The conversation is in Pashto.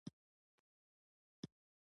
ډېر لږ امپراتوران په طبیعي مرګ مړه شول